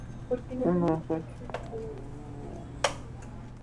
Una hoja es aproximadamente dos veces tan grande como la segunda.